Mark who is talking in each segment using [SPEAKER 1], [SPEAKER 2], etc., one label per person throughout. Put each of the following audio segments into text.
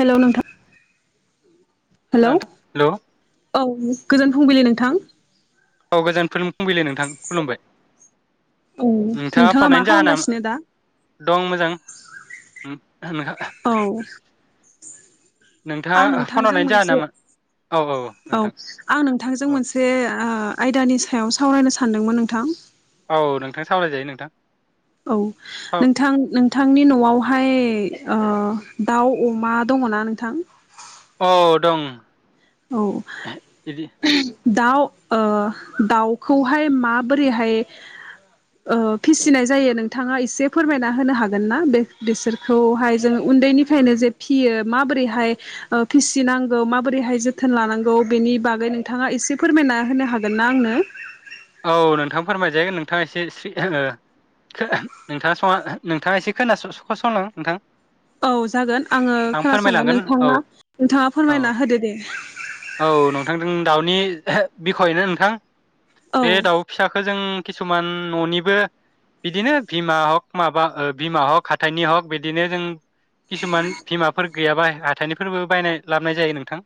[SPEAKER 1] हेल' नोंथां hello
[SPEAKER 2] hello
[SPEAKER 1] औ गोजोन फुंबिलि नों थां
[SPEAKER 2] औ गोजोन फुंबिलि नोंथां खुलुमबाय नोंथाङा फन
[SPEAKER 1] मा
[SPEAKER 2] हरनायनि जाहोना
[SPEAKER 1] खालामगासिनो दा
[SPEAKER 2] ओ दं मोजां [unintelligible]
[SPEAKER 1] औ आं
[SPEAKER 2] नोंथाङा फन
[SPEAKER 1] नोंथांजों
[SPEAKER 2] हरनायनि
[SPEAKER 1] मोनसे
[SPEAKER 2] जाहोनामोन औ
[SPEAKER 1] औ
[SPEAKER 2] नोंथां
[SPEAKER 1] आं नोंथांजों
[SPEAKER 2] औ
[SPEAKER 1] मोनसे ओ आयदानि सायावसो सावरायनो सानदोंमोन नोंथां।
[SPEAKER 2] औ नोंथां सावरायजायो नोंथां।
[SPEAKER 1] औ नोंथां नोंथांनि न'आवहाय ओ दाउ अमा दङना नोंथां?
[SPEAKER 2] औ दं
[SPEAKER 1] औ
[SPEAKER 2] बिदि
[SPEAKER 1] दाउ ओ दाउखौहाय माबोरैहाय ओ फिसिनाय जायो नोंथाङा एसे फोरमायना होनो हागोन ना बे बिसोरखौहाय जों उन्दैनिफ्रायनो जे फियो माबोरैहाय ओ फिसिनांगौ माबोरैहाय जो थोन लानांगौ बेनि बागै नोंथाङा एसे फोरमायना होनो हागोन ना आंनो?
[SPEAKER 2] औ नोंथां फोरमायजागोन नोंथाङा एसे [unintelligible] नोंथाङा स नोंथाङा एसे खोन संला नोंथां
[SPEAKER 1] औ जागोन आङो
[SPEAKER 2] आं
[SPEAKER 1] खोनासंगोन
[SPEAKER 2] फोरमायलांगोन औ
[SPEAKER 1] नोंथाङा नोंथाङा
[SPEAKER 2] औ
[SPEAKER 1] फोरमायना होदो दे।
[SPEAKER 2] औ नोंथांजों दाउनि बिखयनो नोंथां
[SPEAKER 1] औ
[SPEAKER 2] बे दाउ फिसाखौ जों किसुमान न'निबो बिदिनो बिमा हक माबा बिमा हक हाथाइनि हक बिदिनो जों किसुमान बिमाफोर गैयाबा हाथाइनिफोरबो बायना लाबोनाय जायो नोंथां।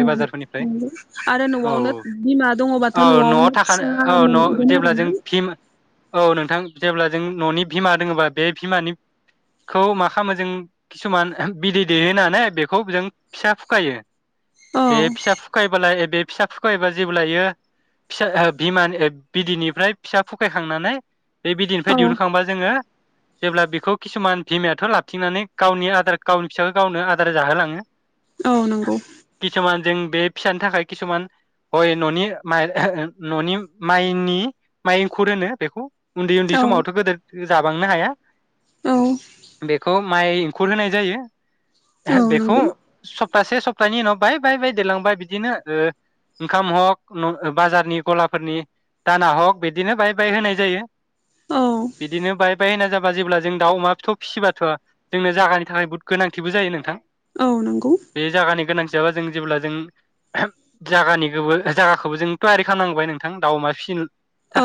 [SPEAKER 1] औ
[SPEAKER 2] बाजारफोरनिफ्राय
[SPEAKER 1] नंगौ आरो
[SPEAKER 2] औ
[SPEAKER 1] न'आवनो बिमा दङबाथ' न'आवनो
[SPEAKER 2] [unintelligible]
[SPEAKER 1] फिसा
[SPEAKER 2] औ न'
[SPEAKER 1] मोनगोन आरो
[SPEAKER 2] जेब्ला
[SPEAKER 1] ना
[SPEAKER 2] जों औ नोंथां जेब्ला जों ननि भिमा दोङोबा बे भिमानिखौ मा खालामो जों किसुमान बिदै दैेयो होननानै बेखौ जों फिसा फुखायो।
[SPEAKER 1] औ
[SPEAKER 2] बे फिसा फुखायोबालाय ए बे। फिसा फुखायोबा जेबो लायो। फिसा बिमानि बिदिनिफ्राय फिसा फुखायखांनानै बे बिदिनिफ्राय
[SPEAKER 1] औ
[SPEAKER 2] दिहुनखांबा जोङो जेब्ला बेखौ किसुमान बिमायाथ लाथिंनानै गावनि आदार गावनि फिसाखौ गावनो आदार जाहोलाङो।
[SPEAKER 1] औ नंगौ
[SPEAKER 2] किसुमान जों बे फिसानि थाखाय किसुमान हय ननि माइ ननि माइनि माइ एखुर होनो बेखौ। उन्दै उन्दै
[SPEAKER 1] औ
[SPEAKER 2] समावथ गोदो जाबांनो हाया।
[SPEAKER 1] औ
[SPEAKER 2] बेखौ माइ एंखुर होनाय जायो।
[SPEAKER 1] औ
[SPEAKER 2] बेखौ
[SPEAKER 1] नंगौ
[SPEAKER 2] स सप्तासे सप्तानि उनाव बाय बाय बाय देलांबाय बिदिनो ओंखाम हक बाजारनि गलाफोरनि दाना हग बिदिनो बाय बाय होनाय जायो।
[SPEAKER 1] औ
[SPEAKER 2] बिदिनो बाय बाय होनाय जाबाय जेब्ला जों दाउ अमा फिथौ फिसिबाथ जोंनो जानि थाखाय बहुद गोनांथिबो जायो नोंथां
[SPEAKER 1] औ नंगौ
[SPEAKER 2] बे जायगानि गोनां जाबा जों जेब्ला जों जायागानिखौबो जागाखौबो जों थयारि खालामनांबाय नोंथां दाउमा फिसि
[SPEAKER 1] औ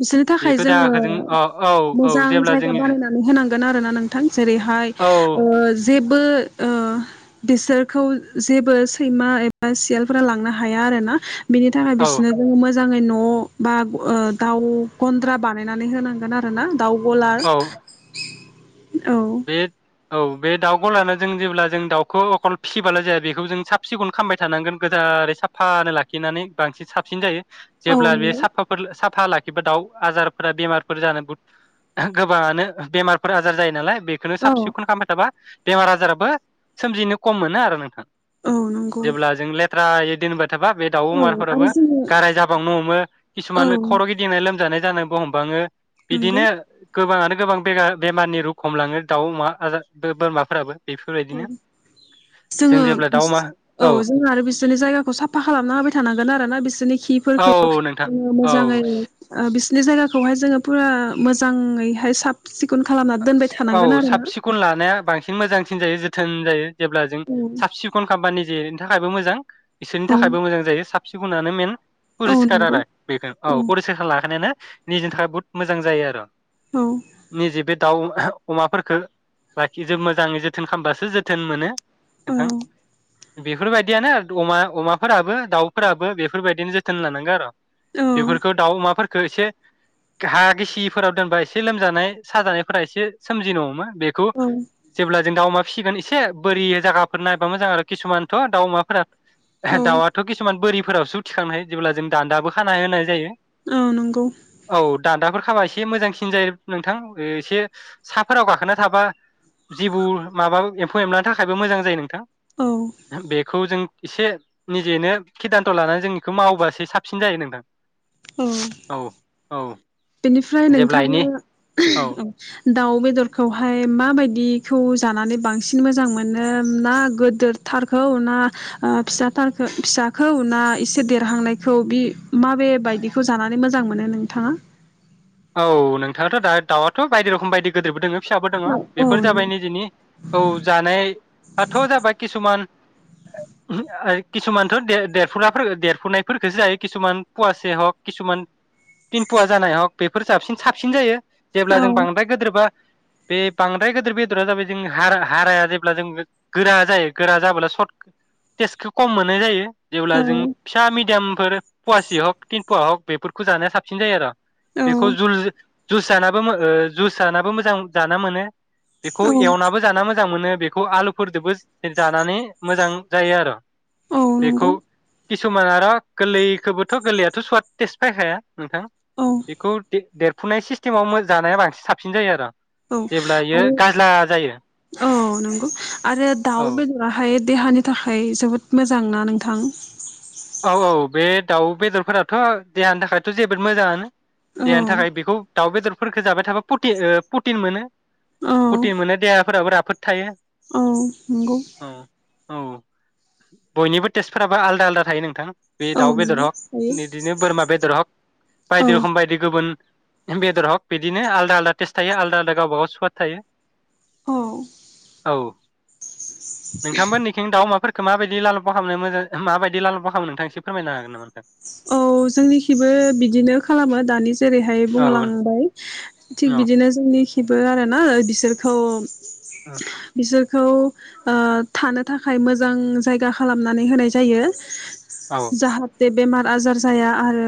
[SPEAKER 1] बिसोरनि थाखाय जोङो
[SPEAKER 2] जों अ औ औ
[SPEAKER 1] मोजां
[SPEAKER 2] जेब्ला
[SPEAKER 1] जायगा
[SPEAKER 2] जोंनि
[SPEAKER 1] बानायनानै होनांगोन आरोना नोंथां जेरैहाय
[SPEAKER 2] औ
[SPEAKER 1] जे बो ओ बिसोरखौ जेबो सैमा एबा सियालफोरा लांनो हाया आरोना। बिनि थाखाय
[SPEAKER 2] औ
[SPEAKER 1] बिसोरनो जोङो मोन मोजाङै न बा ओ दाउ गन्द्रा बानायनानै होनांगोन आरो ना दावगलार
[SPEAKER 2] औ
[SPEAKER 1] औ
[SPEAKER 2] बे औ बे दाउ गलानो जों जेब्ला जों दाउखौ अखल फिसिबोला जाया बेखौ जों साब सिखन खालामामबाय थानांगोन गोजारै साफानो लाखिनानै बांसिन साबसिन जायो।
[SPEAKER 1] औ
[SPEAKER 2] जेब्ला बे
[SPEAKER 1] नंगौ
[SPEAKER 2] साफाफोर साफ फा लाखिबा दाउ आजारफोरा बेमारफोर जानो बु गोबाङानो बेमारफोर आजार जायो नालाय बेखौनो साब
[SPEAKER 1] औ
[SPEAKER 2] सिखन खालामबाय थाबा बेमार आजाराबो सोमजिनो खम मोनो आरो नोंथां।
[SPEAKER 1] औ नंगौ
[SPEAKER 2] जेब्ला जों लेफ्ट। थ्रा एदिननिफाय थाबा बे दाउ
[SPEAKER 1] औ आरो
[SPEAKER 2] अमारफोराबो
[SPEAKER 1] जोङो
[SPEAKER 2] गाराय जाबांनो हमो
[SPEAKER 1] औ
[SPEAKER 2] किसुमान खर' गिदिंनाय लोमजानाय जानोबो हमबाङो
[SPEAKER 1] नंगौ
[SPEAKER 2] बिदिनो गोबाङानो गोबां बेरा-बेमारनि रुग हमलाङो दाउ अमा आजार बोरमाफोराबो
[SPEAKER 1] औ
[SPEAKER 2] बेफोरबायदिनो
[SPEAKER 1] जोङो
[SPEAKER 2] जों जेब्ला दाउ अमा
[SPEAKER 1] औ जोंङो आरो बिसोरनि जायगाखौ साफा खालामना होबाय थानां गोन आरो ना बिसोरनि
[SPEAKER 2] औ
[SPEAKER 1] खिफोरखौ
[SPEAKER 2] नोंथां
[SPEAKER 1] जोंङो मोजांङै
[SPEAKER 2] औ
[SPEAKER 1] ओ बिसोर नि जायगाखौहाय जोंङो फुरा मोजांङैहाय साब सि खोन खालामनानै दोनबाय थानांगोन
[SPEAKER 2] औ
[SPEAKER 1] आरो
[SPEAKER 2] साब
[SPEAKER 1] ना
[SPEAKER 2] सिखन लानाया बांसिन मोजांसिन जायो जोथोन जायो जेब्ला जों
[SPEAKER 1] औ
[SPEAKER 2] साब सिखन खाम्बा निजे थाखायबो मोजां बिसोरनि
[SPEAKER 1] औ
[SPEAKER 2] थाखायबो मोजां जायो साफ सिखनानो मेन
[SPEAKER 1] औ
[SPEAKER 2] परिस्कार
[SPEAKER 1] नंगौ
[SPEAKER 2] आरो बेनो औ परिस्कार खालायना लाखिनायानो निजेनि थाखाय बहुत मोजां जायो आरो
[SPEAKER 1] औ
[SPEAKER 2] निजेबो दाउ अमाफोरखौ लाखि जोब मोजांङै जोथोन खामबासो जोथोन मोनो नोंथां बेफोरबायदियानो अमा अमाफोराबो दाउफोराबो बेफोरबायदिनो जोथोन लानांगौ आरो
[SPEAKER 1] औ
[SPEAKER 2] बेफोरखौ दाउ अमा फोर खौ एसे हा गिसिफोराव दोनबा एसे लोमजानाय साजानाय फोरा एसे सोमजिनो हमो बेखौ
[SPEAKER 1] औ
[SPEAKER 2] जेब्ला जों दाउ अमा फिसिगोन एसे बोरि जगाफोर नायबा मोजां आरो किसुमानथ' दाउ अमाफोरा
[SPEAKER 1] औ
[SPEAKER 2] दाउवाथ' किसुमान बोरि फोरावसो थिखांनो हायो जेब्ला जों दान्दाबो खाना होनाय जायो
[SPEAKER 1] औ नंगौ
[SPEAKER 2] औ दान्दाफोर खाबा एसे मोजांसिन जायो नोंथां एसे साहाफोराव गाखोना थाबा जेबौ माबाो एम्फौ एमला थाखायबो मोजां जायो नोंथां
[SPEAKER 1] औ
[SPEAKER 2] बेखौ जों एसे निजेनो सिदानथ' लानानै जोंनिखौ मावोबासो साबसिन जायो नोंथां
[SPEAKER 1] औ
[SPEAKER 2] औ औ
[SPEAKER 1] बेनिफ्राय
[SPEAKER 2] जेब्ला इनि
[SPEAKER 1] नोंथाङा
[SPEAKER 2] औ
[SPEAKER 1] दाउ बेदरखौहाय माबायदिखौ जानानै बांसिन मोजां मोनो ना गोदोरथारखौ ना ओ फिसाथारखो फिसाखौ ना एसे देरहांनायखौ बि माबे बदिखौ जानानै मोजां मोनो नोंथाङा?
[SPEAKER 2] औ नोंथाङाथ' दा दाउआथ' बायदि रोखोम बायदि गोदोरबो दोङो। फिसाबो दोङो
[SPEAKER 1] औ
[SPEAKER 2] बेफोर जाबाय निजिनि औ जानायाथ' जाबाय किसुमान ओ किसुमानथ' देरफुनाफोर देरफुनायफोरखौसो जायो किसुमान पवासे हक किसुमान तिन पुवा जानाय हक। बेफोर साबसिन साबसिन जायो। जेब्ला जों
[SPEAKER 1] औ
[SPEAKER 2] बांद्राय गोदोरबा। बे बांद्राय गेदिर बेदरा जाबाय जों हाराया जेब्ला जों गोरा जायो गोरा जाब्ला सर्ट टेस्टखौ खम मोननाय जायो।
[SPEAKER 1] औ
[SPEAKER 2] जेब्ला जों फिसा मिडियाम। फोर पवासि हक तिन पुवा हक बेफोरखौ जानाया साबसिन जायो आर'।
[SPEAKER 1] औ
[SPEAKER 2] बेखौ जुल जुस जानाबो मो ओ जुइस जानाबो मोजां जाना मोनो।
[SPEAKER 1] औ
[SPEAKER 2] बेखौ एवनाबो जाना मोज मोजां मोनो बेखौ आलुफोरजोंबो। जानानै मोजां। जायो आर'।
[SPEAKER 1] औ नंगौ
[SPEAKER 2] बेखौ किसुमान आरो गोरलैखौबोथ' गोरलैयाथ' सुवाट टेस्ट फैखाया नोंथां।
[SPEAKER 1] औ
[SPEAKER 2] बेखौ दे देरफुनाय सिस्टेमाव जानाया बांसिन साबसिन जायो आर '।
[SPEAKER 1] औ आरो औ नंगौ आरो
[SPEAKER 2] औ
[SPEAKER 1] दाउ बेदराहाय। देहानि थाखाय जोबोद मोजां ना नोंथां?
[SPEAKER 2] औ औ बे दाउ बेदरफोराथ' देहानि थाखायथ' जोबोद मोजाङानो
[SPEAKER 1] औ
[SPEAKER 2] देहानि थाखाय बेखौ दाउ बेदरफोरखौ जाबाय थाबा प्र प्रटिन मोनो
[SPEAKER 1] औ
[SPEAKER 2] प्रटिन मोनो देहाफोराबो राफोद थायो।
[SPEAKER 1] औ नोंगौ।
[SPEAKER 2] औ औ बयनिबो टेस्टफोराबो आलदा आलदा। थायो नोंथां। बे
[SPEAKER 1] औ
[SPEAKER 2] दाउ बेदर
[SPEAKER 1] नंगौ हायो
[SPEAKER 2] हग बिदिनो बोरमा बेदर हग
[SPEAKER 1] औ
[SPEAKER 2] बायदि रखोम बायदि गुबुन। बेदर हक बिदिनो आलदा आलदा टेस्ट थायो आलदा आलदा गावबा गाव स्वाद थायो।
[SPEAKER 1] औ
[SPEAKER 2] औ नोंथांमोननिथिं दाउ अमाफोरखौ माबायदि लालुफा खालामनो मोजां माबायदि लाल मा खालामो नोंथां एसे फोरमायनो हागोन नामा नोंथां?
[SPEAKER 1] औ जोंनिखिबो फाय बुंलांबाय। थिग बिदिनो जोंनि थिबो आरोना बिसोरखौ। बिसोर खौ ओ थानो थाखाय मोजां जायगा खालामनानै होनाय जायो।
[SPEAKER 2] औ
[SPEAKER 1] जाहा ते बेमार बाजार जाया आरो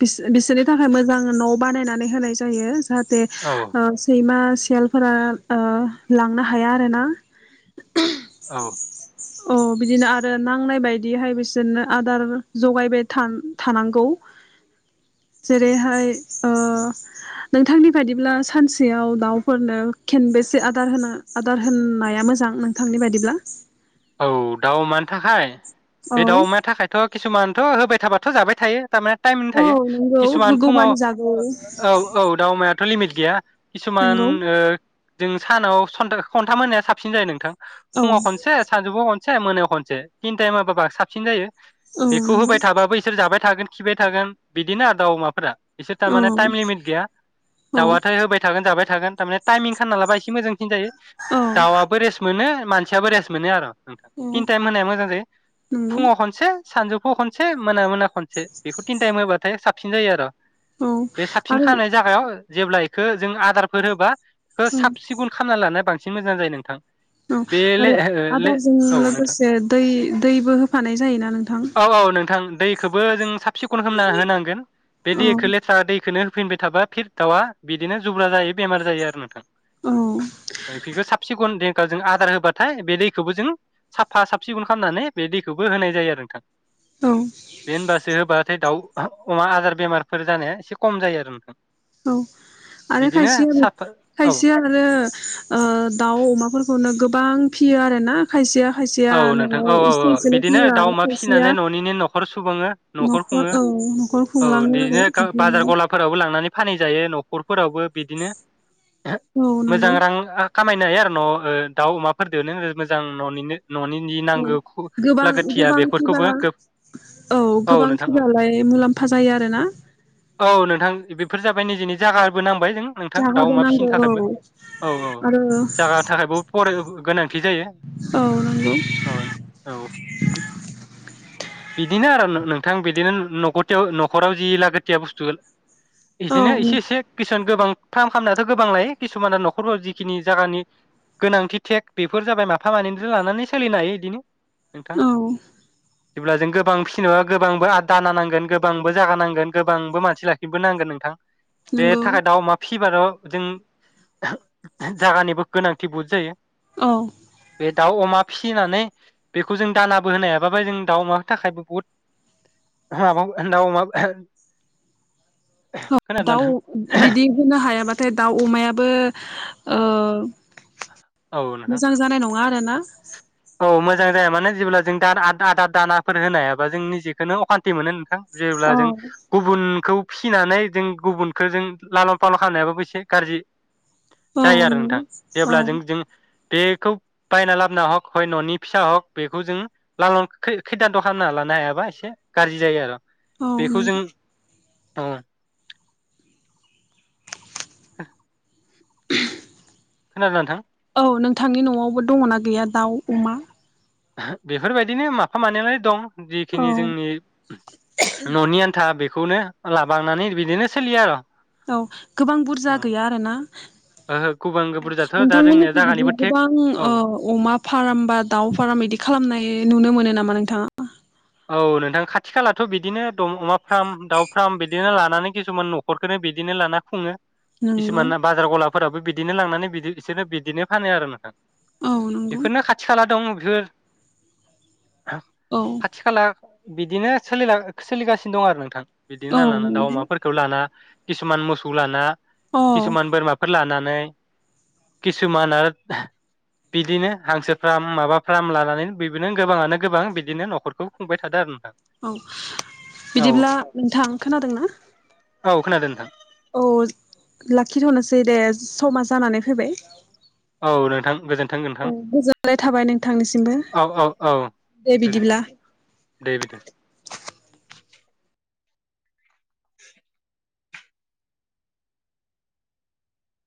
[SPEAKER 1] बिसो बिसोरनि थाखाय मोजां न' बानायनानै होनाय जायो। जाटे
[SPEAKER 2] औ औ
[SPEAKER 1] ओ सैमा सेलफोरा ओ लांनो हाया आरोना
[SPEAKER 2] औ
[SPEAKER 1] अ बिदिनो आरो नांनाय बायदिहाय बिसोरनो आदार जगायबाय थान थानांगौ जेरैहाय ओ नोंथांनि बादिब्ला सानसेयाव दावफोरनो खेनबेसे आदार होनो आदार होन्नाया मोजां नोंथांनि बायदिब्ला?
[SPEAKER 2] औ दाउ अमानि थाखाय
[SPEAKER 1] औ
[SPEAKER 2] बे दाउ अमा थाखायथ' किसुमानथ' होबाय थाबाथ' जाबाय थायो। थारमाने टाइम
[SPEAKER 1] औ
[SPEAKER 2] थायो
[SPEAKER 1] नंगौ
[SPEAKER 2] किसुमान फुङाव
[SPEAKER 1] होगौमानि जागौ
[SPEAKER 2] ओ ओ औ औ दाउ अमाया थ' लिमिट गैया। किसुमान
[SPEAKER 1] नंगौ
[SPEAKER 2] ओ जों सानाव सनथा सनथाम होनाया साबसिन जायो नोंथां।
[SPEAKER 1] औ
[SPEAKER 2] फुङाव खनसे सानजौफुआव खनसे मोनायाव खनसे तिनटायाव होबाबा साबसिन जायो।
[SPEAKER 1] औ
[SPEAKER 2] बेखौ
[SPEAKER 1] नंगौ
[SPEAKER 2] होबाय थाबाबो इसोर जाबाय थागोन। खिबाय थागोन बिदिनो दाउ अमाफोरा बिसोर टामाने टाइम
[SPEAKER 1] औ
[SPEAKER 2] लिमिट गैया
[SPEAKER 1] औ
[SPEAKER 2] दाउआथाय होबाय थागोन जाबाय थ थागोन थानाया टाइमिं होना लाबा एसे मोजां। सिनजायो
[SPEAKER 1] औ
[SPEAKER 2] दाउआबो रेस मोनो। मानसियाबो रेस मोनो आर' थां
[SPEAKER 1] औ
[SPEAKER 2] टिन टाइम होनाया मोजां जायो
[SPEAKER 1] नंगौ
[SPEAKER 2] फुङाव खनसे सानजौफु खनसे मोना मोना खनसे बिखौ टिन टाइम होबाथाय साब सिन जाय' आर'
[SPEAKER 1] औ
[SPEAKER 2] बे साबसिन
[SPEAKER 1] आरो
[SPEAKER 2] खानाय जागायाव जेब्ला इखो जों आदारफोर होबा हो
[SPEAKER 1] औ
[SPEAKER 2] साब सिगुन खामना लानाय बांस सिं मोजां जायो नोंथां।
[SPEAKER 1] औ
[SPEAKER 2] बे ले
[SPEAKER 1] आरो
[SPEAKER 2] ले
[SPEAKER 1] आदारजों
[SPEAKER 2] औ नोंथां
[SPEAKER 1] लोगोसे दै दैबो होफानाय जायोना नोंथां?
[SPEAKER 2] थां दैखोबो जों सा सिखुन खामना होनांगोन बे
[SPEAKER 1] औ
[SPEAKER 2] दैखो लेथ्रा दैखोनो होफिनबाय थाबा फिर दाउआ बिदिनो जुब्रा जायो बेमार जायो आरो नोंथां।
[SPEAKER 1] औ
[SPEAKER 2] ओ इफिनखो साब सिगुन दि जोंहा आदार होबाथाय बेनि दैखौबो जों साफा साब सिखन खालामनानै बे दैखौबो होनाय जायो आरो नोंथां बे होनबासो होबाथाय दाउ अमा आजार बेमारफोर जानाया एसे खम जायो आरो नोंथां
[SPEAKER 1] औ आरो
[SPEAKER 2] बिदिनो
[SPEAKER 1] खायसे
[SPEAKER 2] साफा औ
[SPEAKER 1] खायसे आरो दाउ अमाफोरखौनो गोब गोबां फियो आरो ना खायसेया खायसेया
[SPEAKER 2] औ
[SPEAKER 1] न'आव
[SPEAKER 2] नोंथां औ औ
[SPEAKER 1] एसे
[SPEAKER 2] औ
[SPEAKER 1] एसेल'
[SPEAKER 2] बिदिनो
[SPEAKER 1] फियो
[SPEAKER 2] दाउ
[SPEAKER 1] आरो
[SPEAKER 2] अमा
[SPEAKER 1] खायसेया
[SPEAKER 2] फिसिनानै ननिनो नखर सुबुङो नखर खुङो
[SPEAKER 1] औ न'खर
[SPEAKER 2] औ
[SPEAKER 1] खुंलाङो आरो
[SPEAKER 2] बिदिनो बाजार
[SPEAKER 1] बिदिनो
[SPEAKER 2] गलाफोरावबो लांनानै फानै जायो नखर फोरावबो बिदिनो
[SPEAKER 1] औ नंगौ
[SPEAKER 2] मोजां रां आ खामायनो हायो आरो न दाउ अमाफोरजों मोजां ननिनो न'नि नांगौ
[SPEAKER 1] गोबां
[SPEAKER 2] लागाथिया
[SPEAKER 1] गोबां फिबा
[SPEAKER 2] बेफोरखौबो
[SPEAKER 1] औ गोबां
[SPEAKER 2] नोंथां औ
[SPEAKER 1] फिबालाय मुलाम्फा जायो आरोना
[SPEAKER 2] औ नोंथां बेफोर जाबाय निजिनि जागाबो नोंथां बेबादिनो नोंथां दाउ
[SPEAKER 1] जाहोबो
[SPEAKER 2] अमा
[SPEAKER 1] नांगौ
[SPEAKER 2] फिसिनि थाखायबो
[SPEAKER 1] औ
[SPEAKER 2] औ औ
[SPEAKER 1] आरो
[SPEAKER 2] जागा थाखायबो फराय गोनां थि जायो
[SPEAKER 1] औ नंगौ
[SPEAKER 2] अन औे बिदिनो आरो नोंथां बिदिनो नथथियाव नखराव जि लागोथिया बुस्थु
[SPEAKER 1] औ
[SPEAKER 2] बिदिनो एसे एसे किसान गोबां फार्म खालामनायाथ गोबां लायो किसुमाना नखरफोराव जिखिनि जायगानि गोनांथि थेक बेफोर जाबाय माफा मानैनि बि लानानै सोलिनो हायो इदिनो नोंथां
[SPEAKER 1] औ
[SPEAKER 2] जेब्ला जों गोबां फिसिनोबा गोबांबो आ दाना नांगोन गोबांबो जागा नांगोन गोबांबो मानसि लाखिनोबो नांगोन नोंथां बे
[SPEAKER 1] नंगौ
[SPEAKER 2] थाखाय दाउ अमा फि सिबाल जों जागानिबो गोनांथि बहुद जायो
[SPEAKER 1] औ
[SPEAKER 2] बे दाउ अमा फिसिनानै बेखौ जों दानाबो होनो हायाबाबाय जों दाउ अमानि थाखायबो बहुद माबा दाउ अमा
[SPEAKER 1] ओ
[SPEAKER 2] खोनादों
[SPEAKER 1] दाउ
[SPEAKER 2] ना नोंथां?
[SPEAKER 1] बिदि होनो हायाबाथाय दाउ अमायाबो ओ
[SPEAKER 2] औ नोंथां
[SPEAKER 1] मोजां जानाय नङा मानोना
[SPEAKER 2] औ मोजां जाया माने जेब्ला जों आदार दानाफोर होनायाबा जों निजेखौनो अखान्थि मोनो नोंथां जेब्ला
[SPEAKER 1] औ
[SPEAKER 2] जों गुबुनखौ फिसिनानै जों गुबुनखौ जों लालां फाल' खालामनायाबो एसे गाज्रि
[SPEAKER 1] औ
[SPEAKER 2] जायो आरो
[SPEAKER 1] नंगौ
[SPEAKER 2] नोंथां जेब्ला जों
[SPEAKER 1] औ
[SPEAKER 2] जों बेखौ बायना लाबना हक हय न'नि फिसा हक बेखौ जों लाल खै खैदानथ' खालामना लानो हायाबा एसे गाज्रि जायो आरो।
[SPEAKER 1] औ
[SPEAKER 2] बेखौ
[SPEAKER 1] नों
[SPEAKER 2] जों औ। [unintelligible] खोनादों नोंथां?
[SPEAKER 1] औ नोंथांनि न'आवबो दङना गैया? दाउ अमा
[SPEAKER 2] बेफोरबायदिनो माफा मानैयालाय दं।
[SPEAKER 1] औ
[SPEAKER 2] जिखिनि जोंनि न'नि आन्था बे बेखौनो लाबांनानै बिदिनो सोलियो आरो।
[SPEAKER 1] औ गोबां बुरजा
[SPEAKER 2] ओं
[SPEAKER 1] गैया आरोना।
[SPEAKER 2] ओहो गुबुन बुरजाथ' दा जोंनिया
[SPEAKER 1] नोंथांमोनिखै
[SPEAKER 2] जागानिबो
[SPEAKER 1] बिदि
[SPEAKER 2] थेक
[SPEAKER 1] गोबां
[SPEAKER 2] औ
[SPEAKER 1] अमा फार्म बा दाउ फार्म बिदि खालामनाय नुनो मोनो नामा? नोंथाङा।
[SPEAKER 2] औ नोंथां खाथि खालाथ' बिदिनो द अमा फार्म दाउ फार्म बिदिनो लानानै किसुमान न'खरखौनो बिदिनो लाना खुङो।
[SPEAKER 1] नंगौ
[SPEAKER 2] किसुमाना बाजार गला फोरावबो बिदिनो लांनानै बिदि बिसोरनो बिदिनो फानो आरो नोंथां।
[SPEAKER 1] औ नंगौ
[SPEAKER 2] बेफोरनो खाथि खाला दं। [unintelligible]
[SPEAKER 1] औ
[SPEAKER 2] खाथि खाला बिदिनो सोलिला सोलिगासिनो दं आरो नोंथां।
[SPEAKER 1] औ
[SPEAKER 2] बिदिनो लाना दाउ
[SPEAKER 1] नंगौ
[SPEAKER 2] अमाफोरखौ लाना किसुमान मोसौ लाना
[SPEAKER 1] औ
[SPEAKER 2] किसुमान बोरमाफोर लानानै नै किसुमान आरो बिदिनो हांसो फार्म माबा फार्म लानानै बिनो गोबाङानो गोबां बिदिनो नखर खौ खुंबाय थादों
[SPEAKER 1] औ
[SPEAKER 2] औ
[SPEAKER 1] बिदिब्ला नोंथां खोनादों ना?
[SPEAKER 2] औ खोनादों नोंथां।
[SPEAKER 1] औ लाखिथ'नोसै दे समा जानानै फैबाय।
[SPEAKER 2] औ नोंथां गोजोन
[SPEAKER 1] औ गोजोनाय थाबाय नोंथांनिसिमबो
[SPEAKER 2] औ औ औ
[SPEAKER 1] दे
[SPEAKER 2] गोजोन्थों
[SPEAKER 1] बिदिब्ला।
[SPEAKER 2] दे बिदि [inaudible]